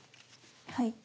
はい。